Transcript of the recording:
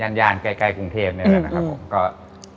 ทะเลยานใกล้กรุงเทพนี่แหละนะครับ